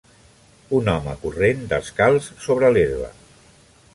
Un home corrent descalç sobre l'herba